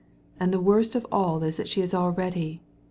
And the worst of it all is that she's already